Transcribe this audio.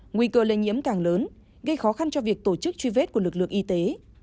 nguy cơ lây nhiễm càng lớn gây khó khăn cho việc tổ chức truy vết của lực lượng y tế